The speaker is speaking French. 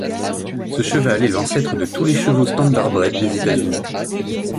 Ce cheval est l'ancêtre de tous les chevaux standardbred des États-Unis.